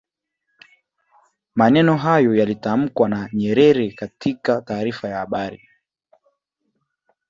maneno hayo yalitamkwa na nyerere katika taarifa ya habari